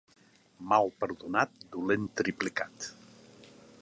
Mal perdonat, dolent triplicat.